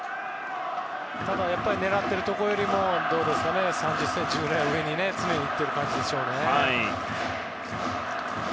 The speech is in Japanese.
ただ、狙ってるところよりも３０ｃｍくらい上に常に行っている感じですね。